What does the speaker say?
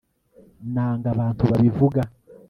Nanga abantu babivuga